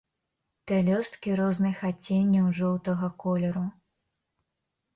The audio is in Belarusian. Пялёсткі розных адценняў жоўтага колеру.